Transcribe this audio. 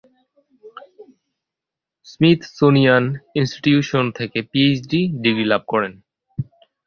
Smithsonian Institution থেকে PhD degree লাভ করেন।